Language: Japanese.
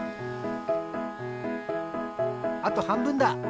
あとはんぶんだ。